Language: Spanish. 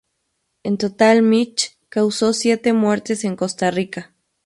En total Mitch causó siete muertes en Costa Rica.